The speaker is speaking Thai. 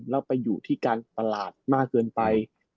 แล้วไปอยู่ที่การประหลาดมากเกินไป